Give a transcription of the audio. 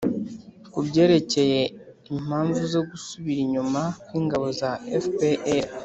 ku byerekeye impamvu zo gusubira inyuma kw'ingabo za fpr,